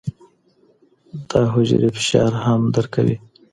دا حجرې فشار هم درک کوي.